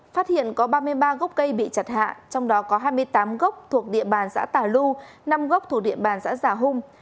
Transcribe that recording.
phát hiện có ba mươi ba gốc cây bị chặt hạ trong đó có hai mươi tám gốc thuộc địa bàn xã tà lu năm gốc thuộc địa bàn xã giả hung